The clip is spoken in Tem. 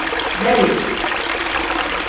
Bedi.